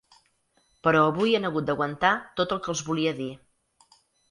Però avui han hagut d’aguantar tot el que els volia dir.